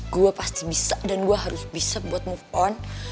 gue pasti bisa dan gue harus bisa buat move on